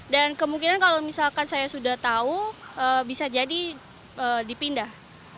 dan kemungkinan kalau misalkan saya sudah tahu bisa jadi dipindah